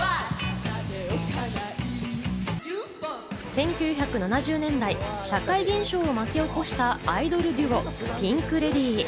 １９７０年代、社会現象を巻き起こしたアイドルデュオ、ピンク・レディー。